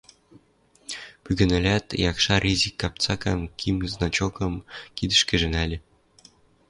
Пӱгӹнӓлят, якшар изи капцакам – КИМ значокым кидӹшкӹжӹ нӓльӹ.